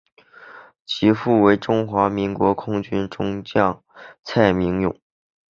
其父为中华民国空军中将蔡名永。